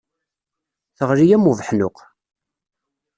Teɣli am ubeḥnuq.